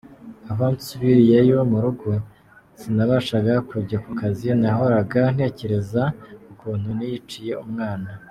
Aho nsubiriye mu rugo, sinabashaga kujya ku kazi nahoraga ntekereza ukuntu niyiciye umwana.